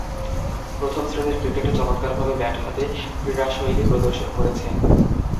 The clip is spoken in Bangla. প্রথম-শ্রেণীর ক্রিকেটে চমৎকারভাবে ব্যাট হাতে ক্রীড়াশৈলী প্রদর্শন করেছেন।